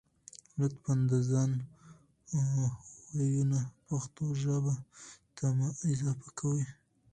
لطفاً د ځانه وييونه پښتو ژبې ته مه اضافه کوئ